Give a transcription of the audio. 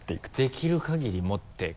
できる限り持って。